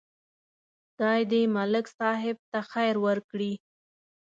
خدای دې ملک صاحب ته خیر ورکړي.